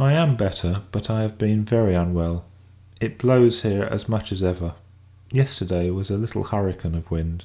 I am better, but I have been very unwell. It blows, here, as much as ever. Yesterday was a little hurricane of wind.